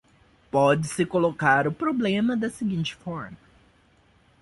Pode-se colocar o problema da seguinte forma